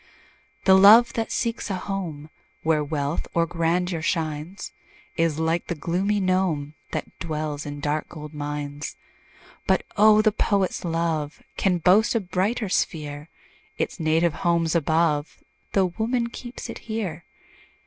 The love that seeks a home Where wealth or grandeur shines, Is like the gloomy gnome, That dwells in dark gold mines. But oh! the poet's love Can boast a brighter sphere; Its native home's above, Tho' woman keeps it here.